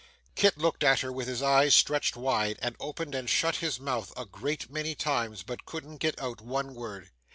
Kit looked at her with his eyes stretched wide; and opened and shut his mouth a great many times; but couldn't get out one word.